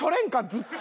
ずっと。